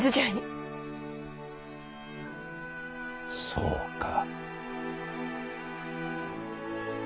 そうか。